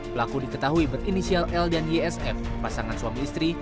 pelaku diketahui berinisial l dan ysf pasangan suami istri